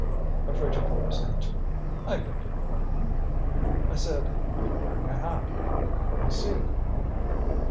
A frigid voice answered, "I beg your pardon!" "I said, are you wearing a hat? I couldn't see, you know."